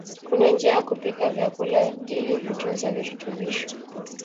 kuna njia kupika vyakuala ili kutunzaa virutubisho